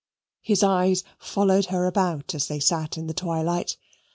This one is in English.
His eyes followed her about as they sat in the twilight.